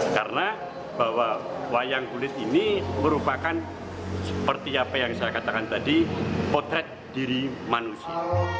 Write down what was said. karena bahwa wayang kulit ini merupakan seperti apa yang saya katakan tadi potret diri manusia